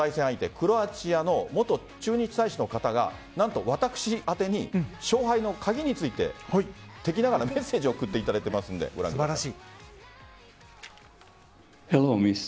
クロアチアの元駐日大使の方が何と、私宛てに勝敗の鍵について敵ながらメッセージを送っていただいていますのでご覧ください。